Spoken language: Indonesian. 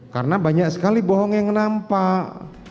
karena banyak sekali bohong yang nampak